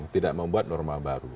tidak membuat norma baru